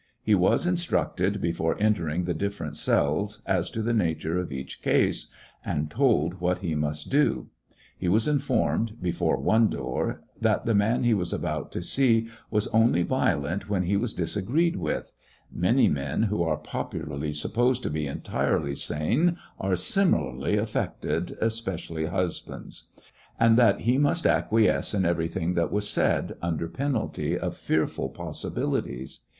He was instructed before 139 saw ^ecoCCections of a entering the diflferent ceUs as to the nature of each case, and told what he must do. He was informed, before one door, that the man he was about to see was only violent when he was disagreed with, —many men who are pop ularly supposed to be entirely sane are simi larly affected, especially husbands,— and that he must acquiesce in everything that was said, under penalty of fearful possibilities.